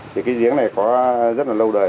cái giếng này có rất là lâu đời